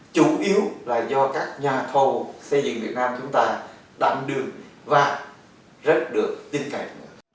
chủ yếu là do các nhà thầu xây dựng việt nam chúng ta đảm đường và rất được tin cạnh